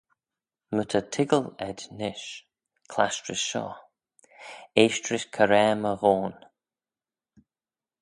"My ta toiggal ayd nish, clasht rish shoh; eaisht rish coraa my ghoan."